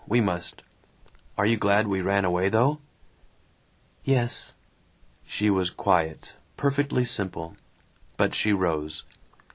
We must. Are you glad we ran away though?" "Yes." She was quiet, perfectly simple. But she rose.